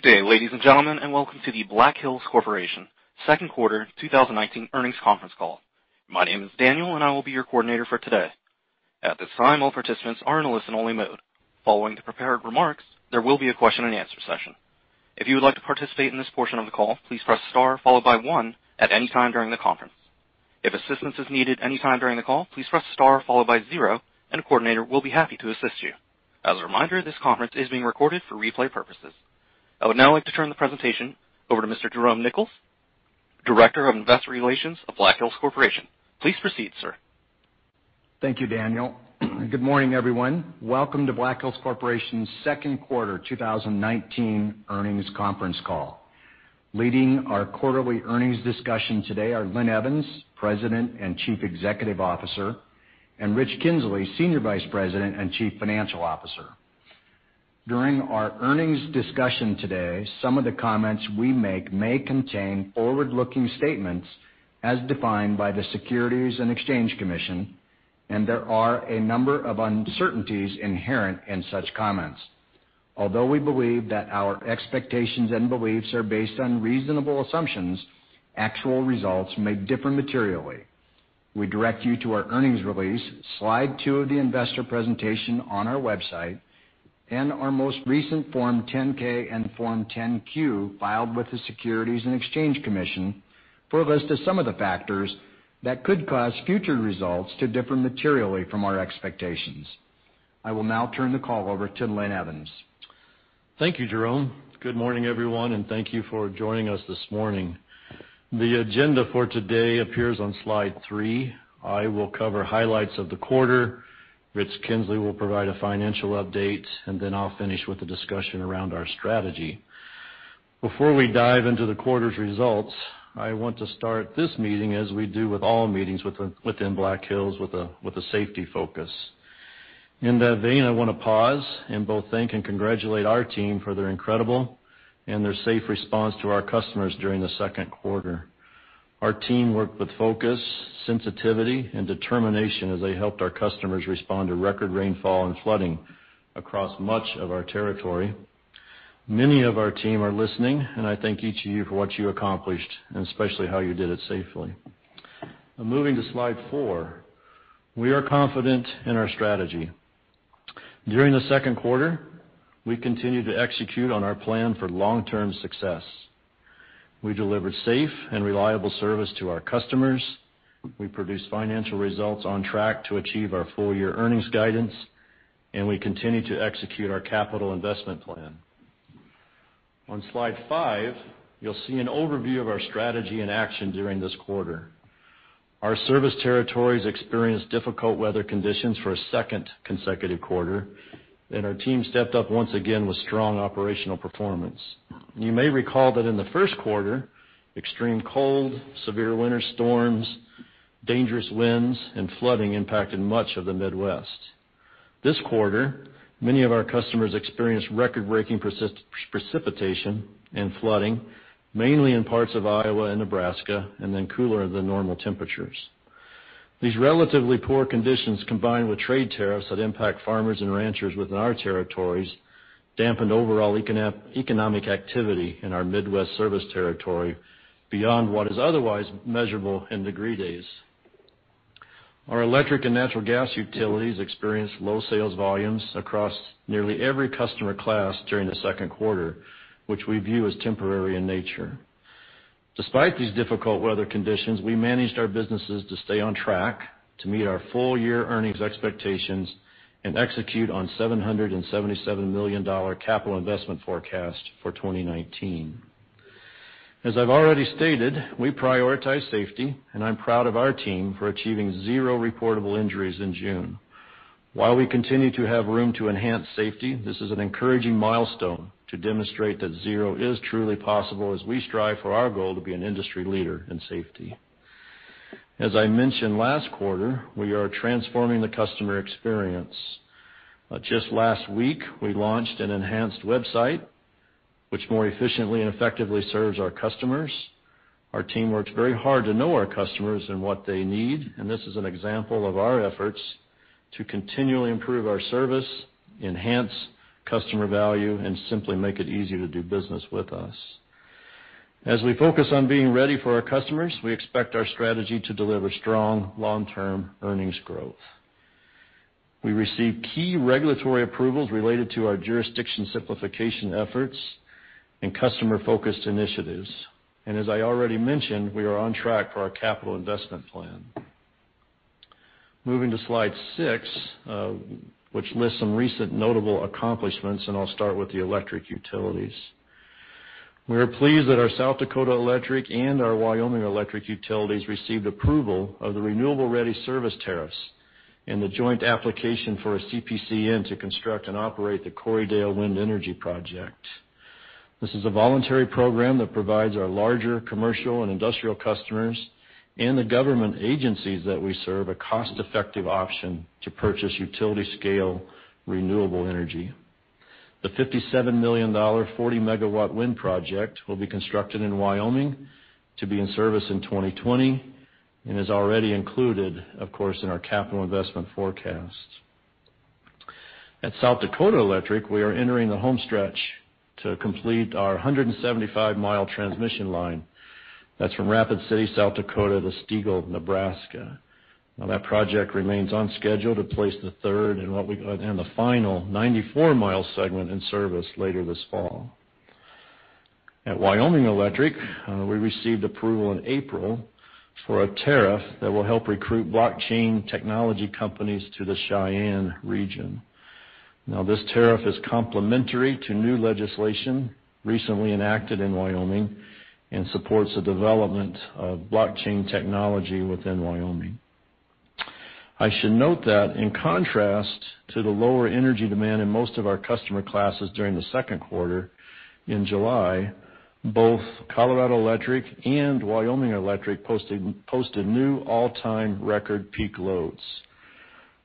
Good day, ladies and gentlemen, welcome to the Black Hills Corporation second quarter 2019 earnings conference call. My name is Daniel, I will be your coordinator for today. At this time, all participants are in a listen-only mode. Following the prepared remarks, there will be a question-and-answer session. If you would like to participate in this portion of the call, please press star followed by one at any time during the conference. If assistance is needed any time during the call, please press star followed by zero, and a coordinator will be happy to assist you. As a reminder, this conference is being recorded for replay purposes. I would now like to turn the presentation over to Mr. Jerome Nichols, Director of Investor Relations of Black Hills Corporation. Please proceed, sir. Thank you, Daniel. Good morning, everyone. Welcome to Black Hills Corporation's second quarter 2019 earnings conference call. Leading our quarterly earnings discussion today are Linn Evans, President and Chief Executive Officer, and Richard Kinzley, Senior Vice President and Chief Financial Officer. During our earnings discussion today, some of the comments we make may contain forward-looking statements as defined by the Securities and Exchange Commission, and there are a number of uncertainties inherent in such comments. Although we believe that our expectations and beliefs are based on reasonable assumptions, actual results may differ materially. We direct you to our earnings release, slide two of the investor presentation on our website, and our most recent Form 10-K and Form 10-Q filed with the Securities and Exchange Commission for a list of some of the factors that could cause future results to differ materially from our expectations. I will now turn the call over to Linn Evans. Thank you, Jerome. Good morning, everyone, and thank you for joining us this morning. The agenda for today appears on slide three. I will cover highlights of the quarter. Rich Kinzley will provide a financial update, and then I'll finish with a discussion around our strategy. Before we dive into the quarter's results, I want to start this meeting as we do with all meetings within Black Hills with a safety focus. In that vein, I want to pause and both thank and congratulate our team for their incredible and their safe response to our customers during the second quarter. Our team worked with focus, sensitivity, and determination as they helped our customers respond to record rainfall and flooding across much of our territory. Many of our team are listening, and I thank each of you for what you accomplished, and especially how you did it safely. Now moving to slide four. We are confident in our strategy. During the second quarter, we continued to execute on our plan for long-term success. We delivered safe and reliable service to our customers. We produced financial results on track to achieve our full-year earnings guidance, and we continued to execute our capital investment plan. On slide five, you'll see an overview of our strategy in action during this quarter. Our service territories experienced difficult weather conditions for a second consecutive quarter, and our team stepped up once again with strong operational performance. You may recall that in the first quarter, extreme cold, severe winter storms, dangerous winds, and flooding impacted much of the Midwest. This quarter, many of our customers experienced record-breaking precipitation and flooding, mainly in parts of Iowa and Nebraska, and then cooler than normal temperatures. These relatively poor conditions, combined with trade tariffs that impact farmers and ranchers within our territories, dampened overall economic activity in our Midwest service territory beyond what is otherwise measurable in degree days. Our electric and natural gas utilities experienced low sales volumes across nearly every customer class during the second quarter, which we view as temporary in nature. Despite these difficult weather conditions, we managed our businesses to stay on track to meet our full-year earnings expectations and execute on $777 million capital investment forecast for 2019. As I've already stated, we prioritize safety, and I'm proud of our team for achieving zero reportable injuries in June. While we continue to have room to enhance safety, this is an encouraging milestone to demonstrate that zero is truly possible as we strive for our goal to be an industry leader in safety. As I mentioned last quarter, we are transforming the customer experience. Just last week, we launched an enhanced website which more efficiently and effectively serves our customers. Our team works very hard to know our customers and what they need. This is an example of our efforts to continually improve our service, enhance customer value, and simply make it easier to do business with us. As we focus on being ready for our customers, we expect our strategy to deliver strong long-term earnings growth. We received key regulatory approvals related to our jurisdiction simplification efforts and customer-focused initiatives. As I already mentioned, we are on track for our capital investment plan. Moving to slide six, which lists some recent notable accomplishments. I'll start with the electric utilities. We are pleased that our South Dakota Electric and our Wyoming Electric utilities received approval of the Renewable Ready service tariffs and the joint application for a CPCN to construct and operate the Corriedale Wind Energy Project. This is a voluntary program that provides our larger commercial and industrial customers and the government agencies that we serve a cost-effective option to purchase utility-scale renewable energy. The $57 million 40-megawatt wind project will be constructed in Wyoming to be in service in 2020 and is already included, of course, in our capital investment forecast. At South Dakota Electric, we are entering the home stretch to complete our 175-mile transmission line. That's from Rapid City, South Dakota, to Stegall, Nebraska. That project remains on schedule to place the third and the final 94-mile segment in service later this fall. At Wyoming Electric, we received approval in April for a tariff that will help recruit blockchain technology companies to the Cheyenne region. This tariff is complementary to new legislation recently enacted in Wyoming and supports the development of blockchain technology within Wyoming. I should note that in contrast to the lower energy demand in most of our customer classes during the second quarter, in July, both Colorado Electric and Wyoming Electric posted new all-time record peak loads.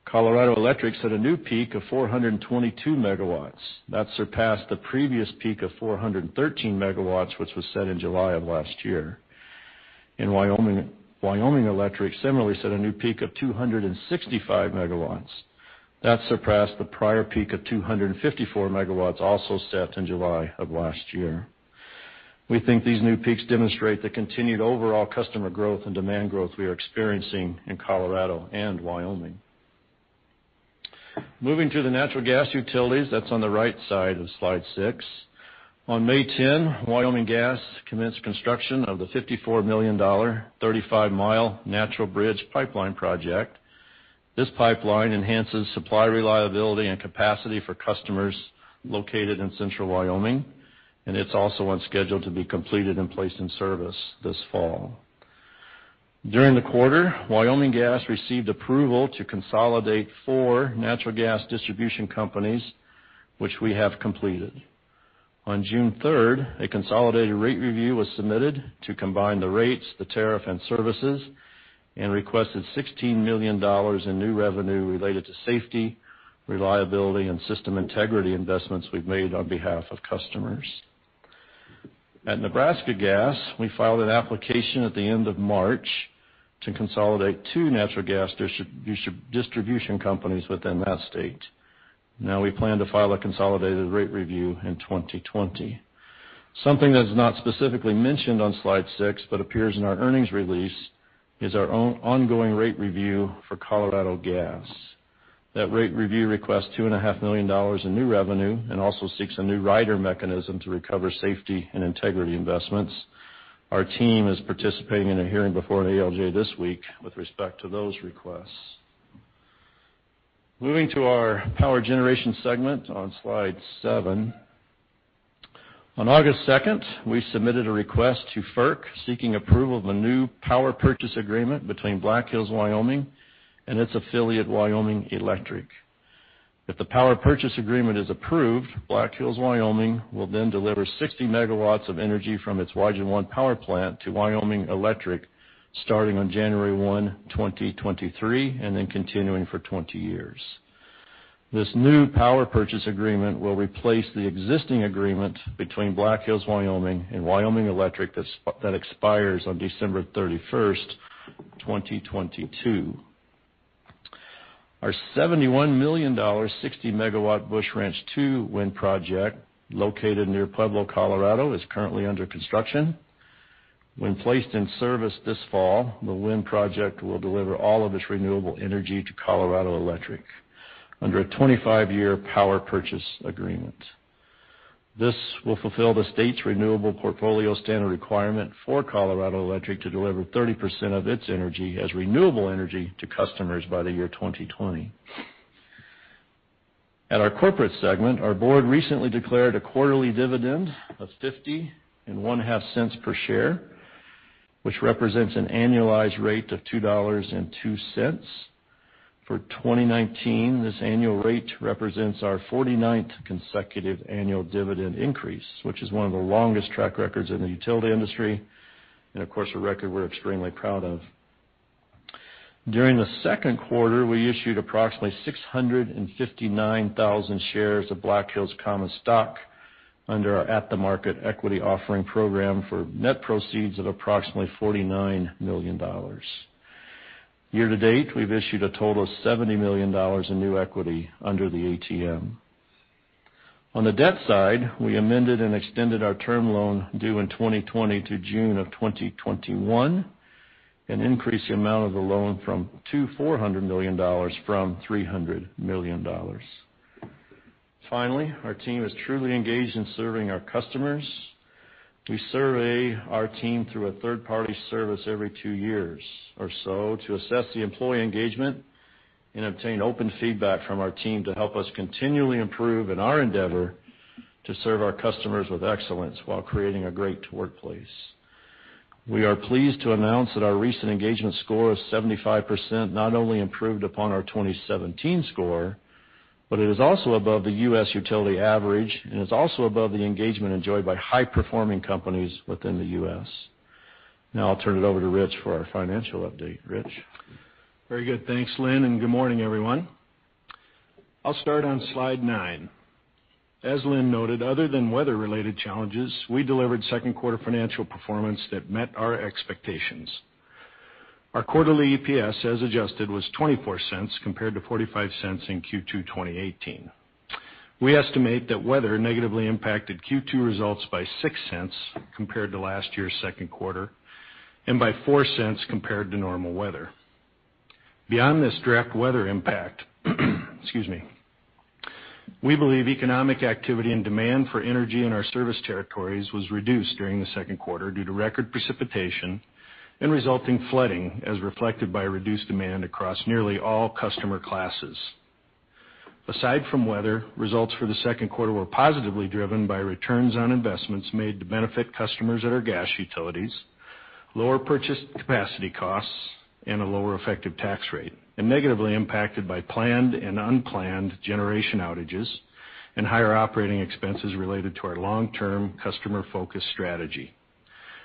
Colorado Electric set a new peak of 422 megawatts. That surpassed the previous peak of 413 megawatts, which was set in July of last year. Wyoming Electric similarly set a new peak of 265 megawatts. That surpassed the prior peak of 254 megawatts, also set in July of last year. We think these new peaks demonstrate the continued overall customer growth and demand growth we are experiencing in Colorado and Wyoming. Moving to the natural gas utilities, that's on the right side of slide six. On May 10, Wyoming Gas commenced construction of the $54 million, 35-mile Natural Bridge Pipeline project. This pipeline enhances supply reliability and capacity for customers located in central Wyoming. It's also on schedule to be completed and placed in service this fall. During the quarter, Wyoming Gas received approval to consolidate four natural gas distribution companies, which we have completed. On June 3rd, a consolidated rate review was submitted to combine the rates, the tariff, and services. Requested $16 million in new revenue related to safety, reliability, and system integrity investments we've made on behalf of customers. At Nebraska Gas, we filed an application at the end of March to consolidate two natural gas distribution companies within that state. We plan to file a consolidated rate review in 2020. Something that is not specifically mentioned on slide six but appears in our earnings release is our ongoing rate review for Colorado Gas. That rate review requests $2.5 million in new revenue and also seeks a new rider mechanism to recover safety and integrity investments. Our team is participating in a hearing before an ALJ this week with respect to those requests. Moving to our power generation segment on Slide seven. On August 2nd, we submitted a request to FERC seeking approval of a new power purchase agreement between Black Hills Wyoming and its affiliate, Wyoming Electric. If the power purchase agreement is approved, Black Hills Wyoming will then deliver 60 megawatts of energy from its Wygen I power plant to Wyoming Electric starting on January 1, 2023, and then continuing for 20 years. This new power purchase agreement will replace the existing agreement between Black Hills Wyoming and Wyoming Electric that expires on December 31st, 2022. Our $71 million 60-megawatt Busch Ranch II wind project, located near Pueblo, Colorado, is currently under construction. When placed in service this fall, the wind project will deliver all of its renewable energy to Colorado Electric under a 25-year power purchase agreement. This will fulfill the state's renewable portfolio standard requirement for Colorado Electric to deliver 30% of its energy as renewable energy to customers by the year 2020. At our corporate segment, our board recently declared a quarterly dividend of $0.505 per share, which represents an annualized rate of $2.02. For 2019, this annual rate represents our 49th consecutive annual dividend increase, which is one of the longest track records in the utility industry, and of course, a record we're extremely proud of. During the second quarter, we issued approximately 659,000 shares of Black Hills common stock under our at-the-market equity offering program for net proceeds of approximately $49 million. Year to date, we've issued a total of $70 million in new equity under the ATM. On the debt side, we amended and extended our term loan due in 2020 to June of 2021 and increased the amount of the loan to $400 million from $300 million. Finally, our team is truly engaged in serving our customers. We survey our team through a third-party service every two years or so to assess the employee engagement and obtain open feedback from our team to help us continually improve in our endeavor to serve our customers with excellence while creating a great workplace. We are pleased to announce that our recent engagement score of 75% not only improved upon our 2017 score, but it is also above the U.S. utility average and is also above the engagement enjoyed by high-performing companies within the U.S. Now I'll turn it over to Rich for our financial update. Rich? Very good. Thanks, Linn, and good morning, everyone. I'll start on slide nine. As Linn noted, other than weather-related challenges, we delivered second quarter financial performance that met our expectations. Our quarterly EPS, as adjusted, was $0.24 compared to $0.45 in Q2 2018. We estimate that weather negatively impacted Q2 results by $0.06 compared to last year's second quarter, and by $0.04 compared to normal weather. Beyond this direct weather impact, we believe economic activity and demand for energy in our service territories was reduced during the second quarter due to record precipitation and resulting flooding, as reflected by reduced demand across nearly all customer classes. Aside from weather, results for the second quarter were positively driven by returns on investments made to benefit customers at our gas utilities, lower purchase capacity costs, and a lower effective tax rate, and negatively impacted by planned and unplanned generation outages and higher operating expenses related to our long-term customer focus strategy.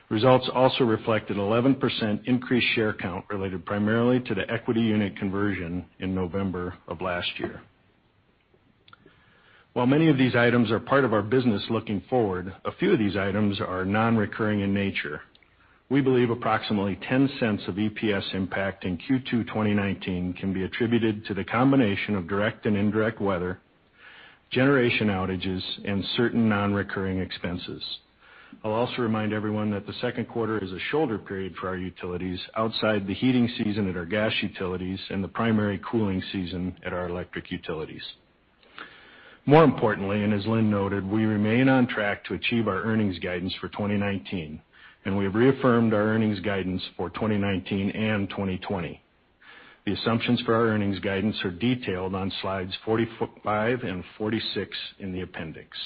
Results also reflected 11% increased share count related primarily to the equity unit conversion in November of last year. While many of these items are part of our business looking forward, a few of these items are non-recurring in nature. We believe approximately $0.10 of EPS impact in Q2 2019 can be attributed to the combination of direct and indirect weather, generation outages, and certain non-recurring expenses. I'll also remind everyone that the second quarter is a shoulder period for our utilities outside the heating season at our gas utilities and the primary cooling season at our electric utilities. More importantly, and as Linn noted, we remain on track to achieve our earnings guidance for 2019, and we have reaffirmed our earnings guidance for 2019 and 2020. The assumptions for our earnings guidance are detailed on slides 45 and 46 in the appendix.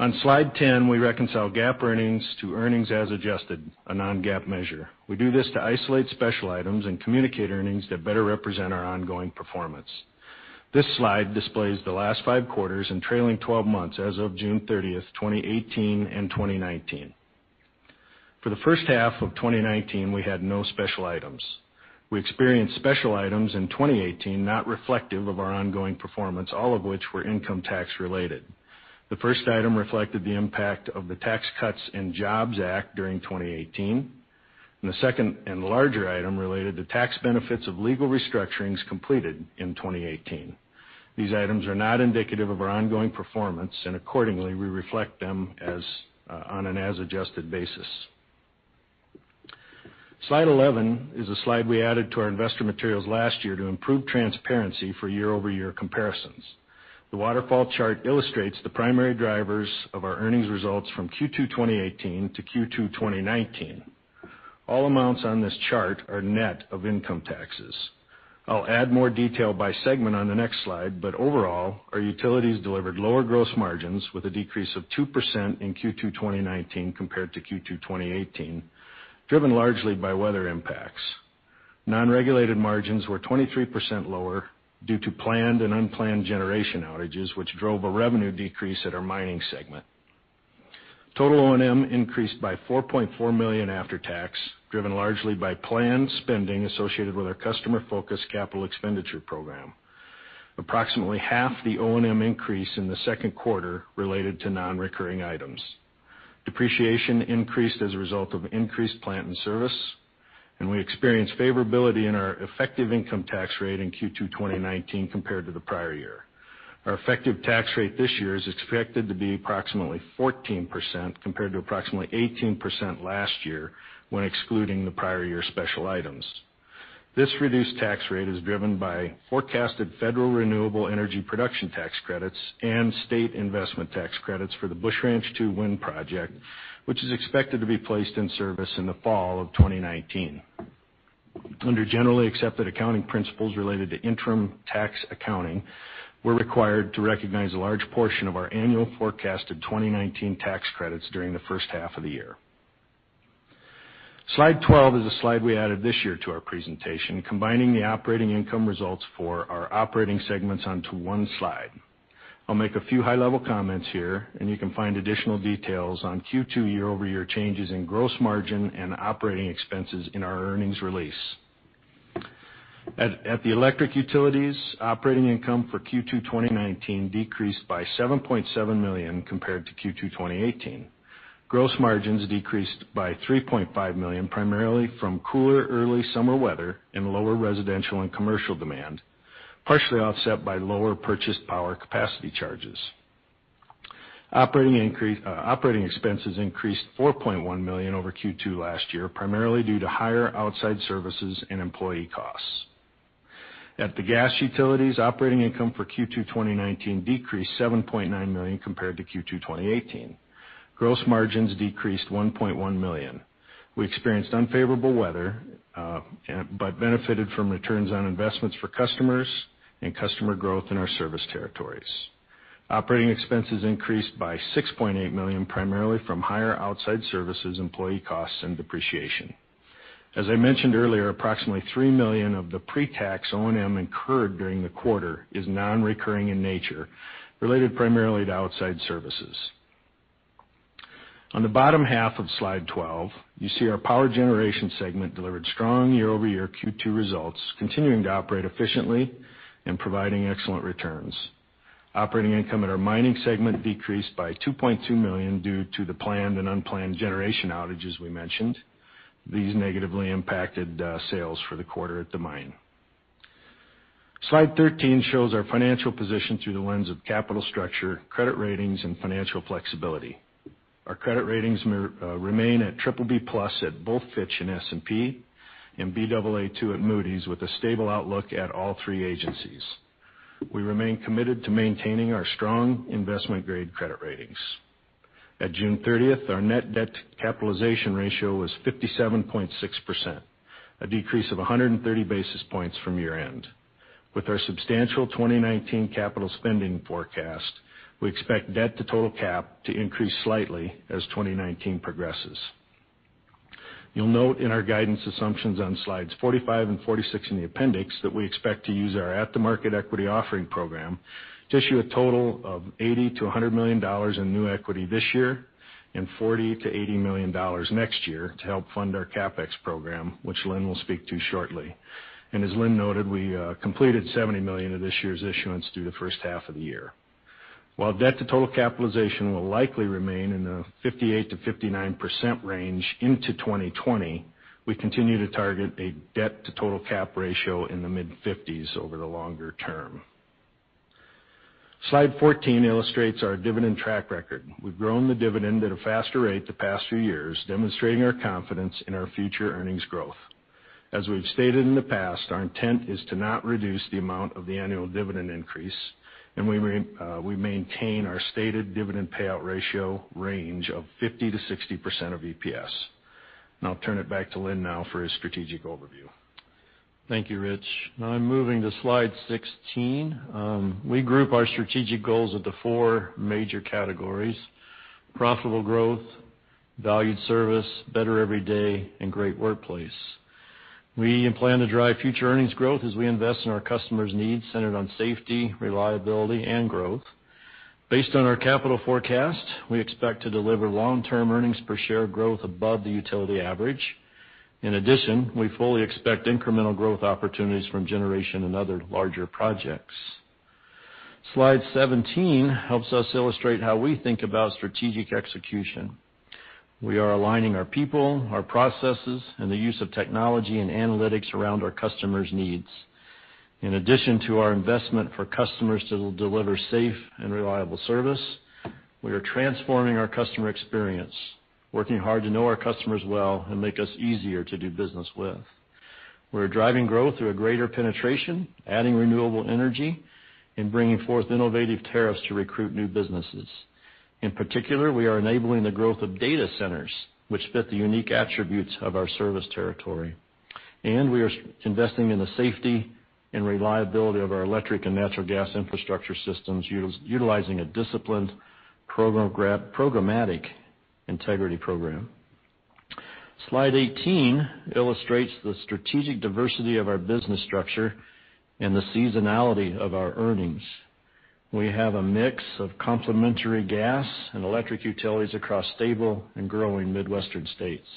On slide 10, we reconcile GAAP earnings to earnings as adjusted, a non-GAAP measure. We do this to isolate special items and communicate earnings that better represent our ongoing performance. This slide displays the last five quarters and trailing 12 months as of June 30th, 2018 and 2019. For the first half of 2019, we had no special items. We experienced special items in 2018, not reflective of our ongoing performance, all of which were income tax-related. The first item reflected the impact of the Tax Cuts and Jobs Act during 2018, and the second and larger item related to tax benefits of legal restructurings completed in 2018. These items are not indicative of our ongoing performance, and accordingly, we reflect them on an as adjusted basis. Slide 11 is a slide we added to our investor materials last year to improve transparency for year-over-year comparisons. The waterfall chart illustrates the primary drivers of our earnings results from Q2 2018 to Q2 2019. All amounts on this chart are net of income taxes. I'll add more detail by segment on the next slide, but overall, our utilities delivered lower gross margins with a decrease of 2% in Q2 2019 compared to Q2 2018, driven largely by weather impacts. Non-regulated margins were 23% lower due to planned and unplanned generation outages, which drove a revenue decrease at our mining segment. Total O&M increased by $4.4 million after tax, driven largely by planned spending associated with our customer-focused capital expenditure program. Approximately half the O&M increase in the second quarter related to non-recurring items. Depreciation increased as a result of increased plant and service, and we experienced favorability in our effective income tax rate in Q2 2019 compared to the prior year. Our effective tax rate this year is expected to be approximately 14% compared to approximately 18% last year when excluding the prior year special items. This reduced tax rate is driven by forecasted federal renewable energy production tax credits and state investment tax credits for the Busch Ranch II wind project, which is expected to be placed in service in the fall of 2019. Under generally accepted accounting principles related to interim tax accounting, we're required to recognize a large portion of our annual forecasted 2019 tax credits during the first half of the year. Slide 12 is a slide we added this year to our presentation, combining the operating income results for our operating segments onto one slide. You can find additional details on Q2 year-over-year changes in gross margin and operating expenses in our earnings release. At the electric utilities, operating income for Q2 2019 decreased by $7.7 million compared to Q2 2018. Gross margins decreased by $3.5 million, primarily from cooler early summer weather and lower residential and commercial demand, partially offset by lower purchased power capacity charges. Operating expenses increased $4.1 million over Q2 last year, primarily due to higher outside services and employee costs. At the gas utilities, operating income for Q2 2019 decreased $7.9 million compared to Q2 2018. Gross margins decreased $1.1 million. We experienced unfavorable weather, benefited from returns on investments for customers and customer growth in our service territories. Operating expenses increased by $6.8 million, primarily from higher outside services, employee costs, and depreciation. As I mentioned earlier, approximately $3 million of the pre-tax O&M incurred during the quarter is non-recurring in nature, related primarily to outside services. On the bottom half of slide 12, you see our power generation segment delivered strong year-over-year Q2 results, continuing to operate efficiently and providing excellent returns. Operating income at our mining segment decreased by $2.2 million due to the planned and unplanned generation outages we mentioned. These negatively impacted sales for the quarter at the mine. Slide 13 shows our financial position through the lens of capital structure, credit ratings, and financial flexibility. Our credit ratings remain at BBB+ at both Fitch and S&P, and Baa2 at Moody's, with a stable outlook at all three agencies. We remain committed to maintaining our strong investment-grade credit ratings. At June 30th, our net debt capitalization ratio was 57.6%, a decrease of 130 basis points from year-end. With our substantial 2019 capital spending forecast, we expect debt to total cap to increase slightly as 2019 progresses. You'll note in our guidance assumptions on slides 45 and 46 in the appendix that we expect to use our at-the-market equity offering program to issue a total of $80 million-$100 million in new equity this year and $40 million-$80 million next year to help fund our CapEx program, which Linn will speak to shortly. As Linn noted, we completed $70 million of this year's issuance through the first half of the year. While debt to total capitalization will likely remain in the 58%-59% range into 2020, we continue to target a debt to total cap ratio in the mid-50s over the longer term. Slide 14 illustrates our dividend track record. We've grown the dividend at a faster rate the past few years, demonstrating our confidence in our future earnings growth. As we've stated in the past, our intent is to not reduce the amount of the annual dividend increase, and we maintain our stated dividend payout ratio range of 50%-60% of EPS. I'll turn it back to Linn now for his strategic overview. Thank you, Rich. I'm moving to slide 16. We group our strategic goals into 4 major categories: profitable growth, valued service, better every day, and great workplace. We plan to drive future earnings growth as we invest in our customers' needs centered on safety, reliability, and growth. Based on our capital forecast, we expect to deliver long-term EPS growth above the utility average. In addition, we fully expect incremental growth opportunities from generation and other larger projects. Slide 17 helps us illustrate how we think about strategic execution. We are aligning our people, our processes, and the use of technology and analytics around our customers' needs. In addition to our investment for customers that will deliver safe and reliable service, we are transforming our customer experience, working hard to know our customers well and make us easier to do business with. We're driving growth through a greater penetration, adding renewable energy, and bringing forth innovative tariffs to recruit new businesses. In particular, we are enabling the growth of data centers, which fit the unique attributes of our service territory. We are investing in the safety and reliability of our electric and natural gas infrastructure systems, utilizing a disciplined programmatic integrity program. Slide 18 illustrates the strategic diversity of our business structure and the seasonality of our earnings. We have a mix of complementary gas and electric utilities across stable and growing Midwestern states.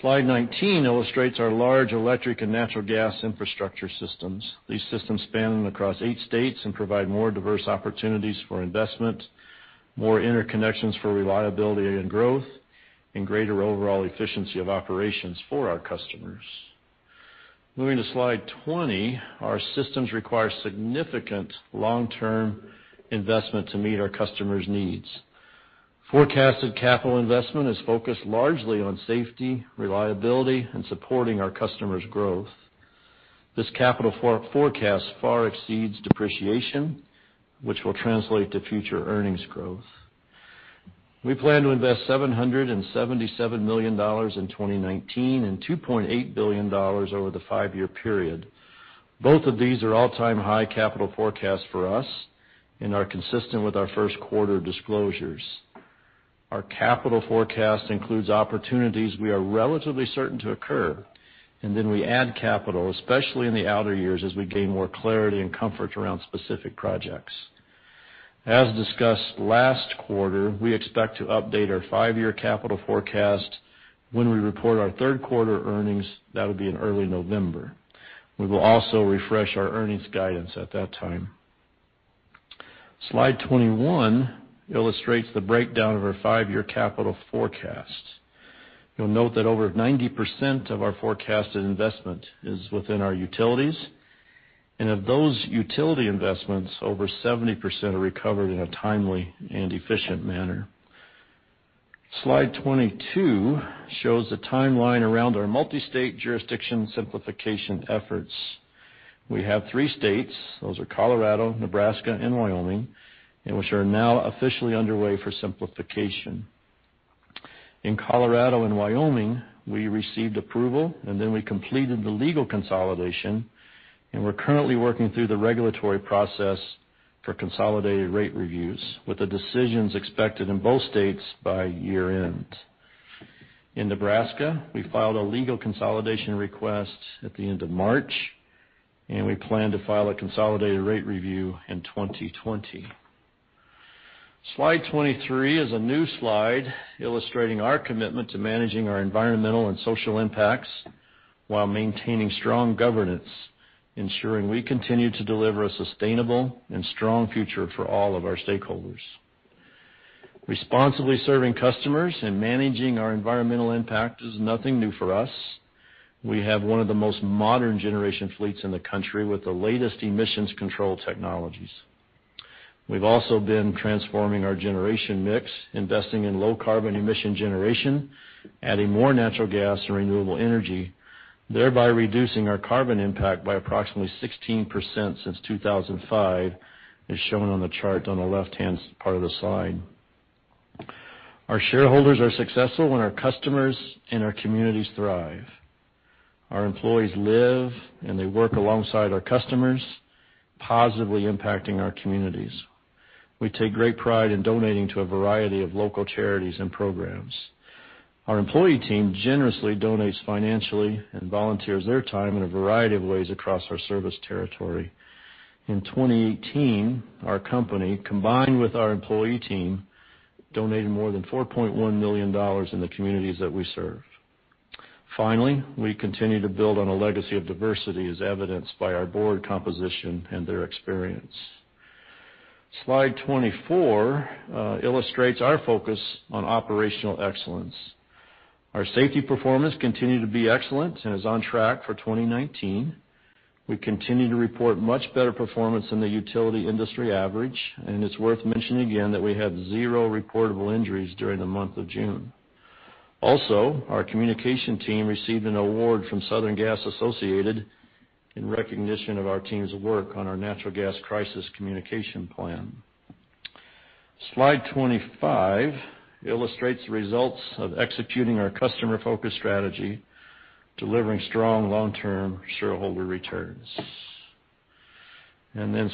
Slide 19 illustrates our large electric and natural gas infrastructure systems. These systems span across eight states and provide more diverse opportunities for investment, more interconnections for reliability and growth, and greater overall efficiency of operations for our customers. Moving to slide 20, our systems require significant long-term investment to meet our customers' needs. Forecasted capital investment is focused largely on safety, reliability, and supporting our customers' growth. This capital forecast far exceeds depreciation, which will translate to future earnings growth. We plan to invest $777 million in 2019 and $2.8 billion over the five-year period. Both of these are all-time high capital forecasts for us and are consistent with our first-quarter disclosures. Our capital forecast includes opportunities we are relatively certain to occur, and then we add capital, especially in the outer years as we gain more clarity and comfort around specific projects. As discussed last quarter, we expect to update our five-year capital forecast when we report our third-quarter earnings. That will be in early November. We will also refresh our earnings guidance at that time. Slide 21 illustrates the breakdown of our five-year capital forecast. You'll note that over 90% of our forecasted investment is within our utilities, and of those utility investments, over 70% are recovered in a timely and efficient manner. Slide 22 shows the timeline around our multi-state jurisdiction simplification efforts. We have three states, those are Colorado, Nebraska, and Wyoming, and which are now officially underway for simplification. In Colorado and Wyoming, we received approval, and then we completed the legal consolidation, and we're currently working through the regulatory process for consolidated rate reviews, with the decisions expected in both states by year-end. In Nebraska, we filed a legal consolidation request at the end of March, and we plan to file a consolidated rate review in 2020. Slide 23 is a new slide illustrating our commitment to managing our environmental and social impacts while maintaining strong governance, ensuring we continue to deliver a sustainable and strong future for all of our stakeholders. Responsibly serving customers and managing our environmental impact is nothing new for us. We have one of the most modern generation fleets in the country with the latest emissions control technologies. We've also been transforming our generation mix, investing in low carbon emission generation, adding more natural gas and renewable energy, thereby reducing our carbon impact by approximately 16% since 2005, as shown on the chart on the left-hand part of the slide. Our shareholders are successful when our customers and our communities thrive. Our employees live and they work alongside our customers, positively impacting our communities. We take great pride in donating to a variety of local charities and programs. Our employee team generously donates financially and volunteers their time in a variety of ways across our service territory. In 2018, our company, combined with our employee team, donated more than $4.1 million in the communities that we serve. Finally, we continue to build on a legacy of diversity as evidenced by our board composition and their experience. Slide 24 illustrates our focus on operational excellence. Our safety performance continued to be excellent and is on track for 2019. We continue to report much better performance than the utility industry average, and it's worth mentioning again that we had zero reportable injuries during the month of June. Also, our communication team received an award from Southern Gas Association in recognition of our team's work on our natural gas crisis communication plan. Slide 25 illustrates results of executing our customer-focused strategy, delivering strong long-term shareholder returns.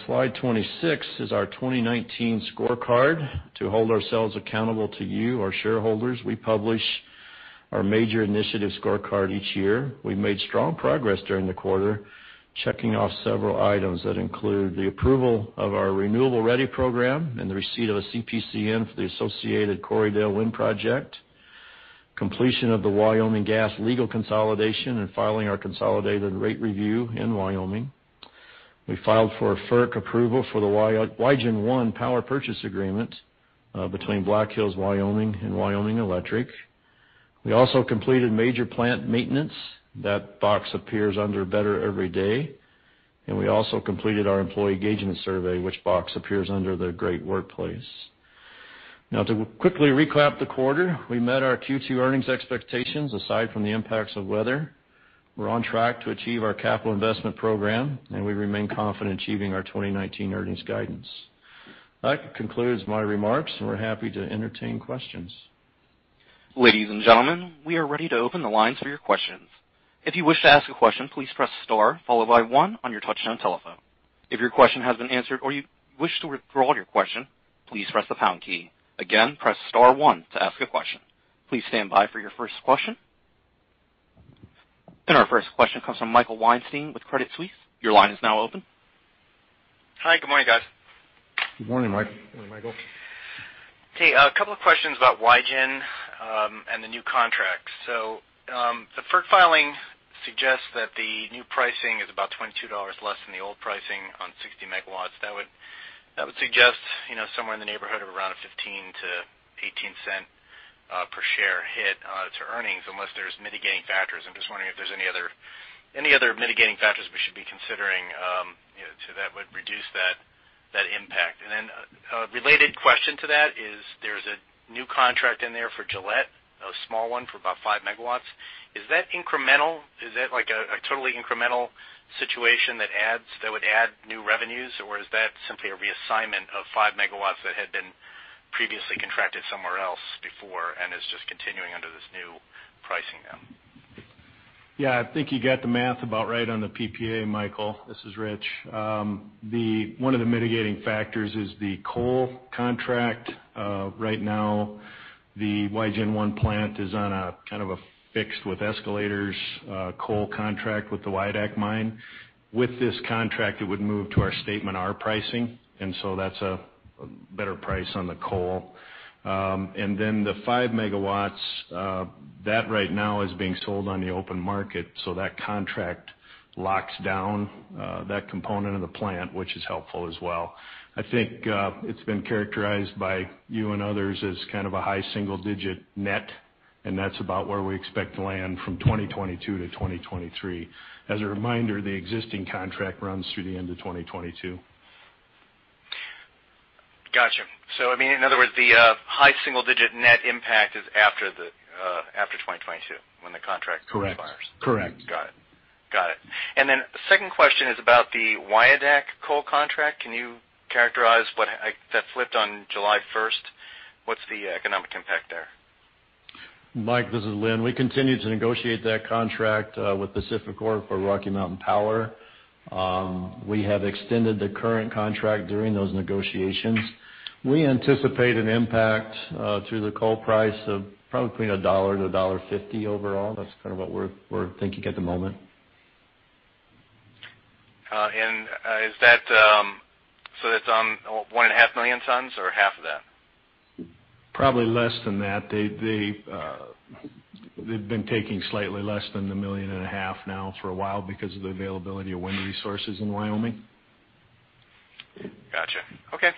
Slide 26 is our 2019 scorecard. To hold ourselves accountable to you, our shareholders, we publish our major initiative scorecard each year. We made strong progress during the quarter, checking off several items that include the approval of our Renewable Ready program and the receipt of a CPCN for the associated Corriedale Wind project, completion of the Wyoming Gas legal consolidation, and filing our consolidated rate review in Wyoming. We filed for FERC approval for the Wygen I power purchase agreement between Black Hills Wyoming and Wyoming Electric. We also completed major plant maintenance. That box appears under Better Every Day. We also completed our employee engagement survey, which box appears under the Great Workplace. Now to quickly recap the quarter, we met our Q2 earnings expectations aside from the impacts of weather. We're on track to achieve our capital investment program. We remain confident achieving our 2019 earnings guidance. That concludes my remarks, and we're happy to entertain questions. Ladies and gentlemen, we are ready to open the lines for your questions. If you wish to ask a question, please press star followed by one on your touch-tone telephone. If your question has been answered or you wish to withdraw your question, please press the pound key. Again, press star one to ask a question. Please stand by for your first question. Our first question comes from Michael Weinstein with Credit Suisse. Your line is now open. Hi, good morning, guys. Good morning, Mike. Good morning, Michael. Okay, a couple of questions about Wygen I and the new contracts. The FERC filing suggests that the new pricing is about $22 less than the old pricing on 60 megawatts. That would suggest somewhere in the neighborhood of around a $0.15 to $0.18 per share hit to earnings, unless there's mitigating factors. I'm just wondering if there's any other mitigating factors we should be considering that would reduce that impact. A related question to that is there's a new contract in there for Gillette, a small one for about five megawatts. Is that incremental? Is that a totally incremental situation that would add new revenues, or is that simply a reassignment of five megawatts that had been previously contracted somewhere else before and is just continuing under this new pricing now? I think you got the math about right on the PPA, Michael. This is Rich. One of the mitigating factors is the coal contract. Right now, the Wygen I plant is on a kind of a fixed with escalators coal contract with the Wyodak Mine. With this contract, it would move to our Statement R pricing, so that's a better price on the coal. Then the 5 MW, that right now is being sold on the open market, that contract locks down that component of the plant, which is helpful as well. I think it's been characterized by you and others as kind of a high single-digit net, that's about where we expect to land from 2022 to 2023. As a reminder, the existing contract runs through the end of 2022. Got you. I mean, in other words, the high single-digit net impact is after 2022 when the contract expires? Correct. Got it. Second question is about the Wyodak coal contract. Can you characterize what that flipped on July 1st? What's the economic impact there? Mike, this is Linn. We continue to negotiate that contract with PacifiCorp for Rocky Mountain Power. We have extended the current contract during those negotiations. We anticipate an impact through the coal price of probably between $1-$1.50 overall. That's kind of what we're thinking at the moment. That's on 1.5 million tons or half of that? Probably less than that. They've been taking slightly less than the $ million and a half now for a while because of the availability of wind resources in Wyoming. Got you. Okay.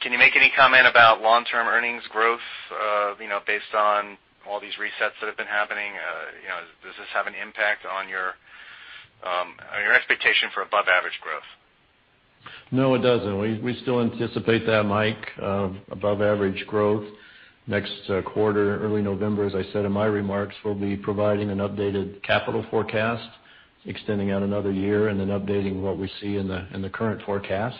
Can you make any comment about long-term earnings growth, based on all these resets that have been happening? Does this have an impact on your expectation for above average growth? No, it doesn't. We still anticipate that, Michael, above-average growth next quarter, early November, as I said in my remarks, we'll be providing an updated capital forecast extending out another year and then updating what we see in the current forecast.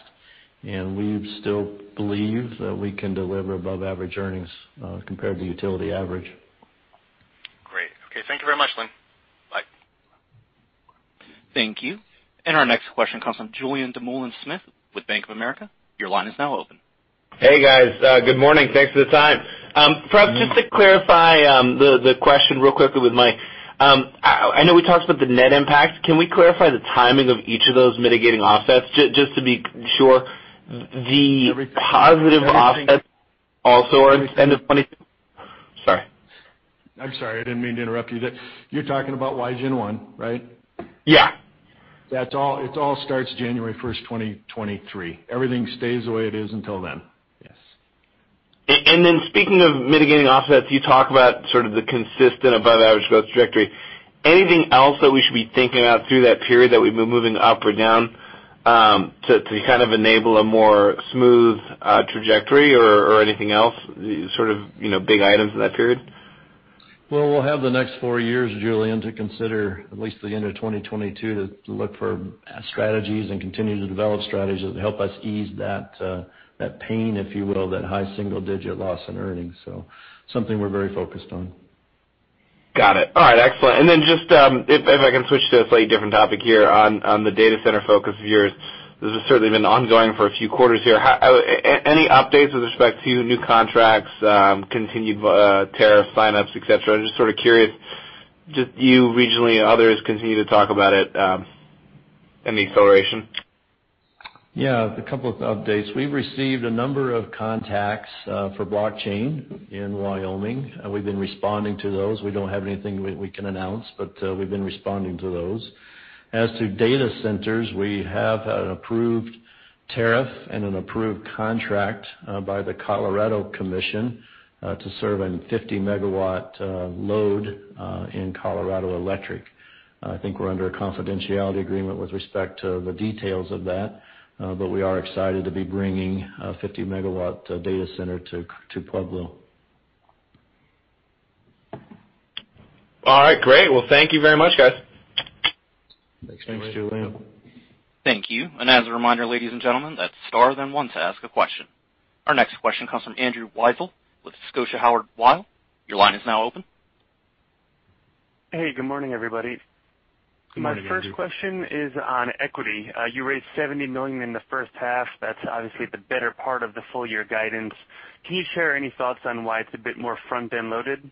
We still believe that we can deliver above-average earnings, compared to utility average. Great. Okay. Thank you very much, Linn. Bye. Thank you. Our next question comes from Julien Dumoulin-Smith with Bank of America. Your line is now open. Hey, guys. Good morning. Thanks for the time. Perhaps just to clarify the question real quickly with Mike. I know we talked about the net impact. Can we clarify the timing of each of those mitigating offsets? Just to be sure the positive offsets also are end of 20-- Sorry. I'm sorry. I didn't mean to interrupt you there. You're talking about Wygen I, right? Yeah. It all starts January 1st, 2023. Everything stays the way it is until then. Yes. Speaking of mitigating offsets, you talk about the consistent above-average growth trajectory. Anything else that we should be thinking of through that period that we've been moving up or down, to kind of enable a more smooth trajectory or anything else, big items in that period? We'll have the next four years, Julien, to consider at least the end of 2022 to look for strategies and continue to develop strategies to help us ease that pain, if you will, that high single-digit loss in earnings. Something we're very focused on. Got it. All right, excellent. Then just, if I can switch to a slightly different topic here on the data center focus of yours. This has certainly been ongoing for a few quarters here. Any updates with respect to new contracts, continued tariff sign-ups, et cetera? I'm just sort of curious, just you regionally and others continue to talk about it, any acceleration? Yeah, a couple of updates. We've received a number of contacts for blockchain in Wyoming. We've been responding to those. We don't have anything we can announce, but we've been responding to those. As to data centers, we have an approved tariff and an approved contract by the Colorado Commission to serve a 50-megawatt load in Colorado Electric. I think we're under a confidentiality agreement with respect to the details of that. We are excited to be bringing a 50-megawatt data center to Pueblo. All right, great. Well, thank you very much, guys. Thanks, Julien. Thank you. As a reminder, ladies and gentlemen, that's star then one to ask a question. Our next question comes from Andrew Weisel with Scotia Howard Weil. Your line is now open. Hey, good morning, everybody. Good morning, Andrew. My first question is on equity. You raised $70 million in the first half. That's obviously the better part of the full-year guidance. Can you share any thoughts on why it's a bit more front-end loaded?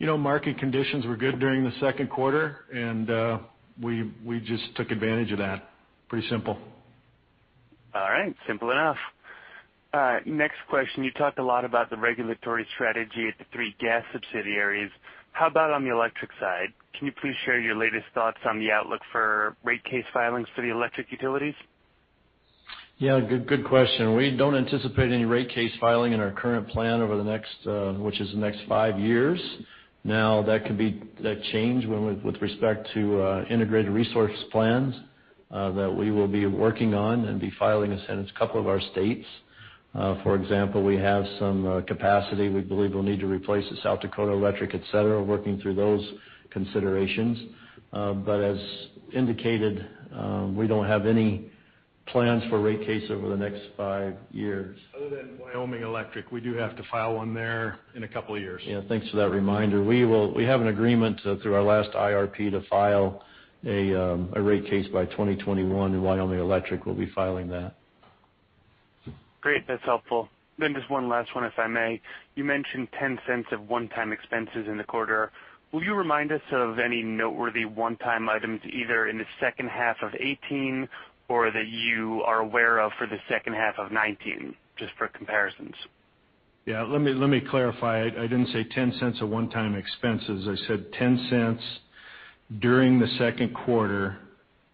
Market conditions were good during the second quarter, and we just took advantage of that. Pretty simple. All right. Simple enough. Next question. You talked a lot about the regulatory strategy at the three gas subsidiaries. How about on the electric side? Can you please share your latest thoughts on the outlook for rate case filings for the electric utilities? Yeah, good question. We don't anticipate any rate case filing in our current plan over the next, which is the next five years. Now, that could change with respect to integrated resource plans that we will be working on and be filing in some states. A couple of our states, for example, we have some capacity we believe we'll need to replace the South Dakota Electric, et cetera, working through those considerations. As indicated, we don't have any plans for rate case over the next five years. Other than Wyoming Electric. We do have to file one there in a couple of years. Yeah. Thanks for that reminder. We have an agreement through our last IRP to file a rate case by 2021, and Wyoming Electric will be filing that. Great. That's helpful. Just one last one, if I may. You mentioned $0.10 of one-time expenses in the quarter. Will you remind us of any noteworthy one-time items, either in the second half of 2018 or that you are aware of for the second half of 2019? Just for comparisons. Yeah. Let me clarify. I didn't say $0.10 of one-time expenses. I said $0.10 during the second quarter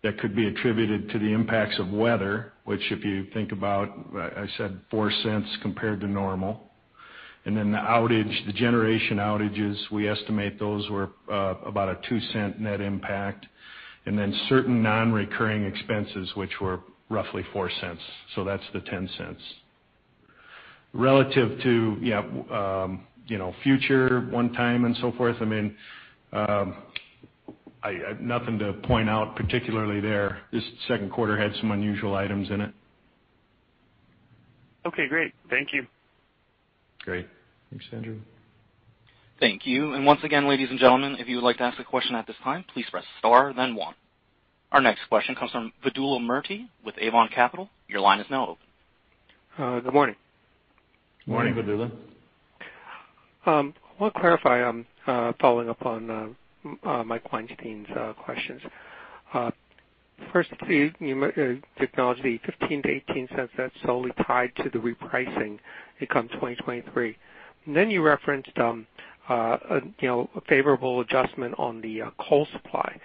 that could be attributed to the impacts of weather, which if you think about, I said $0.04 compared to normal. The generation outages, we estimate those were about a $0.02 net impact. Certain non-recurring expenses, which were roughly $0.04. That's the $0.10. Relative to future one-time and so forth, I have nothing to point out particularly there. Just second quarter had some unusual items in it. Okay, great. Thank you. Great. Thanks, Andrew. Thank you. Once again, ladies and gentlemen, if you would like to ask a question at this time, please press star then one. Our next question comes from Vidula Murti with Avon Capital. Your line is now open. Good morning. Morning, Vidula. I want to clarify, following up on Michael Weinstein's questions. First, you acknowledged the $0.15-$0.18 that's solely tied to the repricing come 2023. Then you referenced a favorable adjustment on the coal supply.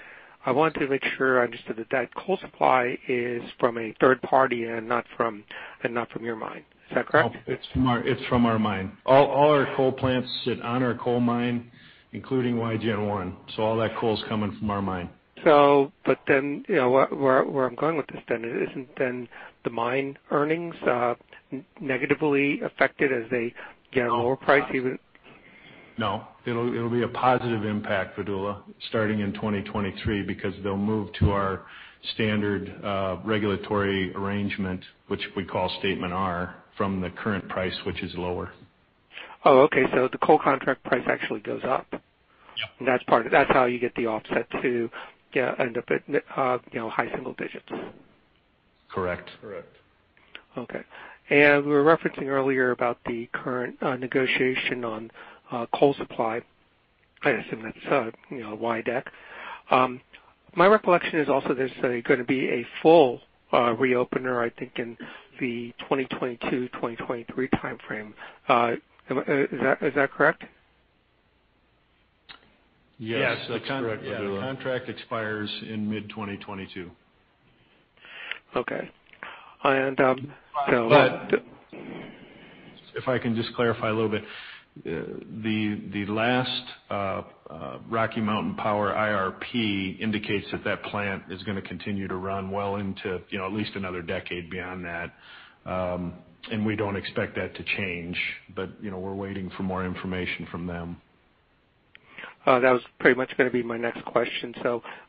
I wanted to make sure I understood that that coal supply is from a third party and not from your mine. Is that correct? It's from our mine. All our coal plants sit on our coal mine, including Wygen I. All that coal's coming from our mine. Where I'm going with this then, isn't then the Mine earnings negatively affected as they get a lower price even? No. It'll be a positive impact, Vidula, starting in 2023, because they'll move to our standard regulatory arrangement, which we call Statement R, from the current price, which is lower. Oh, okay. The coal contract price actually goes up. Yeah. That's how you get the offset to end up at high single digits. Correct. Correct. Okay. We were referencing earlier about the current negotiation on coal supply. I assume that's Wyodak. My recollection is also there's going to be a full reopener, I think, in the 2022, 2023 timeframe. Is that correct? Yes, that's correct, Vidula. Yes. The contract expires in mid 2022. Okay. If I can just clarify a little bit. The last Rocky Mountain Power IRP indicates that that plant is going to continue to run well into at least another decade beyond that. We don't expect that to change, but we're waiting for more information from them. That was pretty much going to be my next question.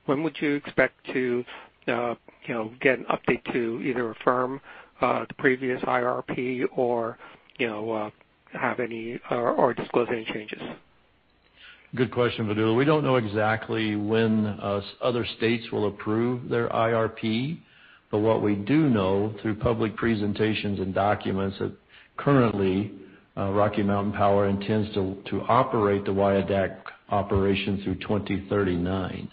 When would you expect to get an update to either affirm the previous IRP or disclose any changes? Good question, Vidula. We don't know exactly when other states will approve their IRP, what we do know through public presentations and documents that currently, Rocky Mountain Power intends to operate the Wyodak operation through 2039.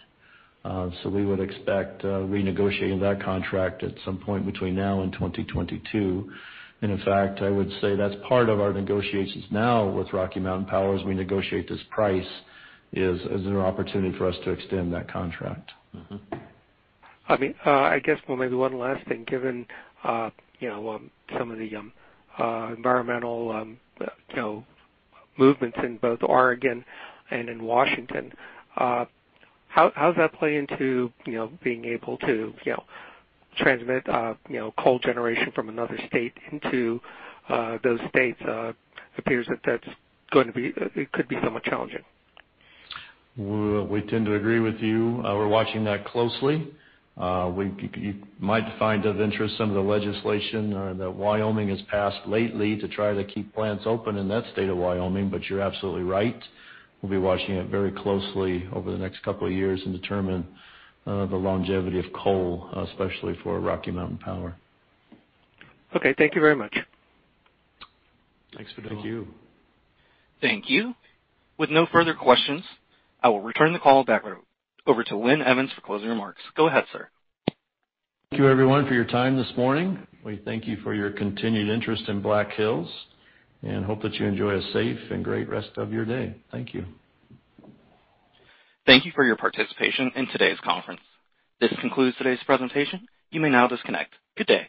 We would expect renegotiating that contract at some point between now and 2022. In fact, I would say that's part of our negotiations now with Rocky Mountain Power as we negotiate this price, is there an opportunity for us to extend that contract? I guess, well maybe one last thing. Given some of the environmental movements in both Oregon and in Washington, how does that play into being able to transmit coal generation from another state into those states? It appears that that could be somewhat challenging. We tend to agree with you. We're watching that closely. You might find of interest some of the legislation that Wyoming has passed lately to try to keep plants open in that state of Wyoming. You're absolutely right. We'll be watching it very closely over the next couple of years and determine the longevity of coal, especially for Rocky Mountain Power. Okay. Thank you very much. Thanks, Vidula. Thank you. Thank you. With no further questions, I will return the call back over to Linn Evans for closing remarks. Go ahead, sir. Thank you everyone for your time this morning. We thank you for your continued interest in Black Hills, and hope that you enjoy a safe and great rest of your day. Thank you. Thank you for your participation in today's conference. This concludes today's presentation. You may now disconnect. Good day.